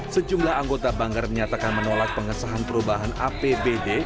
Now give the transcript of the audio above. sejumlah anggota banggar menyatakan menolak pengesahan perubahan apbd